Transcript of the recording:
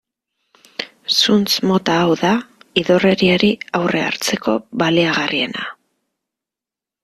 Zuntz mota hau da idorreriari aurre hartzeko baliagarriena.